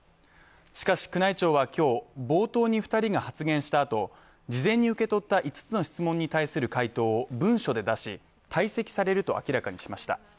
しかし宮内庁は今日、冒頭に２人が発言したあと事前に受け取った５つの質問に対する回答を文書で出し、退席されると明らかにしました。